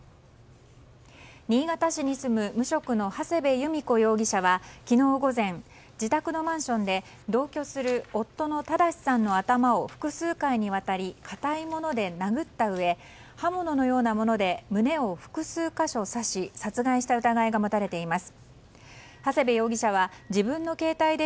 新潟市に住む無職の長谷部由美子容疑者は昨日午前、自宅のマンションで同居する夫の正さんの頭を複数回にわたり固いもので殴ったうえ刃物のようなもので胸を複数箇所刺し殺害した疑いが持たれています。